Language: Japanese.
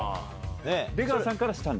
出川さんからした？